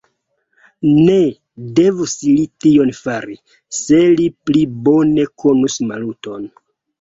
Ne devus li tion fari, se li pli bone konus Maluton!